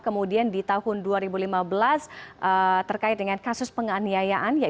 kemudian di tahun dua ribu lima belas terkait dengan kasus penganiayaan